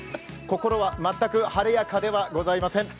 心は全く晴れやかではありません。